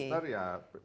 kalau booster ya